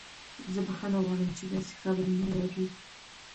زه بخښنه غواړم چې داسې خبر مې واورید